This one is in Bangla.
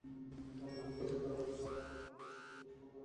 যখন পাতিলে ভাত রান্না করা হয়, তখন পরিচলন পদ্ধতিতে তাপ সঞ্চালিত হয়।